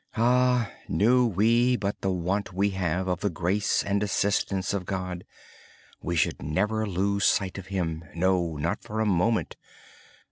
Ah! knew we but the want we have of the grace and assistance of God, we would never lose sight of Him, no, not for a moment.